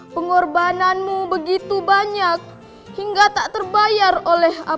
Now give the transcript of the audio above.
pengorbananmu begitu banyak hingga tak terbayar oleh apapun